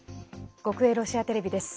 国営ロシアテレビです。